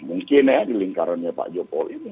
mungkin ya di lingkarannya pak jokowi ini